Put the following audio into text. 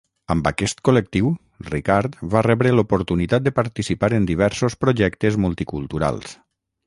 Amb aquest col·lectiu, Ricard va rebre l’oportunitat de participar en diversos projectes multiculturals.